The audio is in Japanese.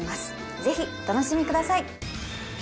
ぜひお楽しみください。